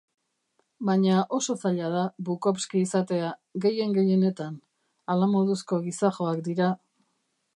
Baina oso zaila da Bukowski izatea, gehien-gehienetan, hala-moduzko gizajoak dira.